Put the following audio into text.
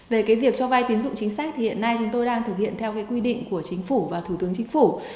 về việc cho vay tín dụng chính sách hiện nay chúng tôi đang thực hiện theo quy định của chính phủ và thủ tướng chính phủ